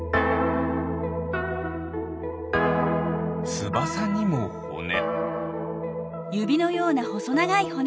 つばさにもほね。